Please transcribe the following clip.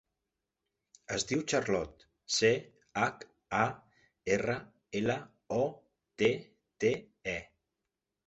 Es diu Charlotte: ce, hac, a, erra, ela, o, te, te, e.